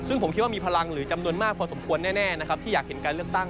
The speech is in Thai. ซึ่งผมคิดว่ามีพลังหรือจำนวนมากพอสมควรแน่นะครับที่อยากเห็นการเลือกตั้ง